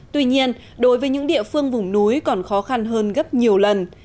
tuy nhiên đối với những địa phương vùng núi còn khó khăn hơn gấp nhiều lần